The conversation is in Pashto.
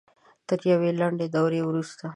تر یوې لنډې دورې وروسته